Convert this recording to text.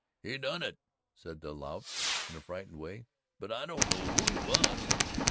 "He done it," said the lout in a frightened way; "but I don't know who he was."